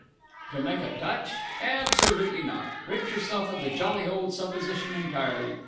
"To make a touch? Absolutely not! Rid yourself of the jolly old supposition entirely.